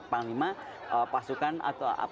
panglima pasukan atau